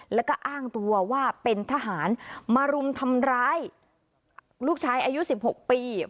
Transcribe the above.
แล้วก็อ้างตัวว่าเป็นทหารมารุมทำร้ายลูกชายอายุ๑๖ปี